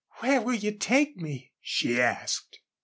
"Where will you take me?" she asked.